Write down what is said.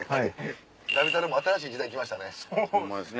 『旅猿』も新しい時代来ましたね。